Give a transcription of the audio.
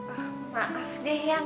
ah maaf deh eang